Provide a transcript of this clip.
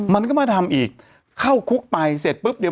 มันติดคุกออกไปออกมาได้สองเดือน